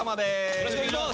よろしくお願いします。